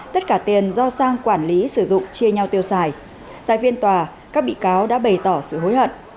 tất cả tiền do sang quản lý sử dụng chia nhau tiêu xài tại viên tòa các bị cáo đã bày tỏ sự hối hận